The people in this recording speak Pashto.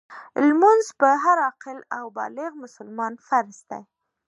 لمونځ په هر عاقل او بالغ مسلمان فرض دی .